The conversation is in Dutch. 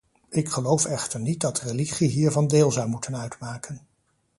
Ik geloof echter niet dat religie hiervan deel zou moeten uitmaken.